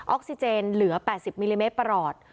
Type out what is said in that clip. ออกซิเจนเหลือ๘๐มิลลิเมตรประหลอด